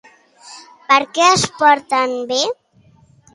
Per què es porten bé?